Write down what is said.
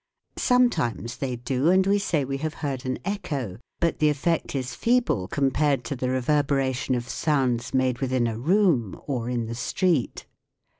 Sometimes they do, and we say we have heard an echo. But the effect is feeble compared to the reverberation of sounds made within a room or in the street.